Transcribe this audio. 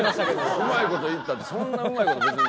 うまい事言ったってそんなうまい事別に。